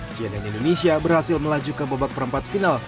cnn indonesia berhasil melaju ke babak perempat final